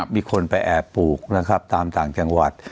มีคนไปแอบปลูกนะครับตามต่างจังหวัด